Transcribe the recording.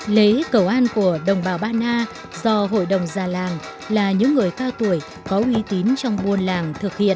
lễ cầu an của đồng bào ba na do hội đồng già làng là những người cao tuổi có uy tín trong buôn làng thực hiện